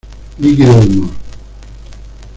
Líquido humor.